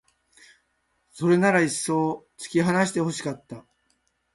それならいっそう突き放して欲しかった